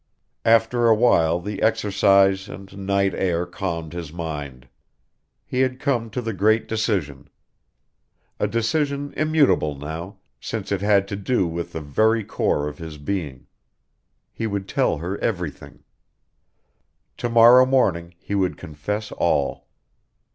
After a while the exercise and night air calmed his mind. He had come to the great decision. A decision immutable now, since it had to do with the very core of his being. He would tell her everything. To morrow morning he would confess all.